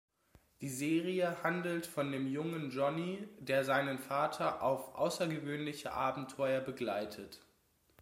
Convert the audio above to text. Die Serie handelt von dem Jungen Jonny, der seinen Vater auf außergewöhnliche Abenteuer begleitet.